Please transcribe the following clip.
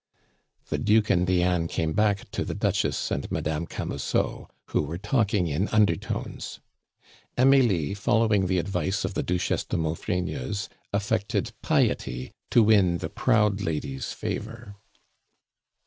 The Duke and Diane came back to the Duchess and Madame Camusot, who were talking in undertones. Amelie, following the advice of the Duchesse de Maufrigneuse, affected piety to win the proud lady's favor.